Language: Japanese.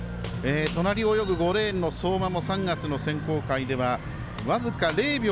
隣を泳ぐ５レーンの相馬も３月の選考会では僅か０秒